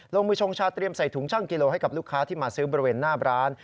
ลงมือชงชาเตรียมใส่ถุงช่างกิโลให้กับลูกค้าที่มาซื้อบริเวณหน้าร้าน